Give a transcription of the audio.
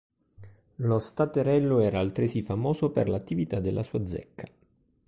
Lo Staterello era altresì famoso per l'attività della sua zecca.